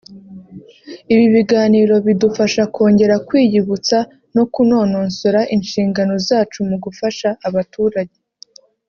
ibi biganiro bidufasha kongera kwiyibutsa no kunononsora inshingano zacu mu gufasha abaturage